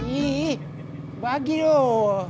ih bahagi loh